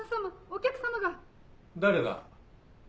お客様が・誰だ？